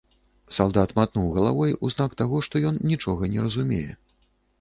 Салдат матнуў галавой у знак таго, што ён нічога не разумее.